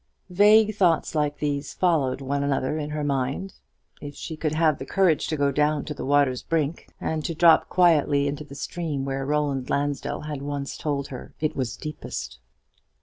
Vague thoughts like these followed one another in her mind. If she could have the courage to go down to the water's brink, and to drop quietly into the stream where Roland Lansdell had once told her it was deepest.